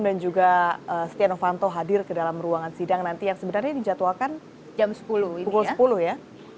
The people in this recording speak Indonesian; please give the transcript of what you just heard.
dan juga satyana vanto hadir ke dalam ruangan sidang nanti yang sebenarnya dijatuhkan jam sepuluh ini ya